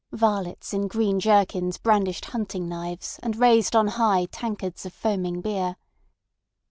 Varlets in green jerkins brandished hunting knives and raised on high tankards of foaming beer.